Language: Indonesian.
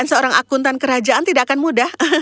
dan seorang akuntan kerajaan tidak akan mudah